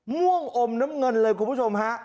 ม่วงอมน้ำเงินเลยคุณผู้ชมฮะ